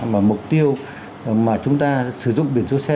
mà mục tiêu mà chúng ta sử dụng biển số xe